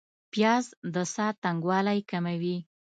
پیاز د ساه تنګوالی کموي